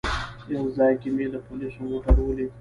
یو ځای کې مې د پولیسو موټر ولید.